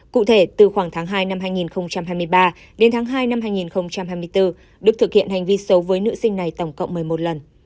cụ thể từ khoảng tháng hai năm hai nghìn hai mươi ba đến tháng hai năm hai nghìn hai mươi bốn đức thực hiện hành vi xấu với nữ sinh này tổng cộng một mươi một lần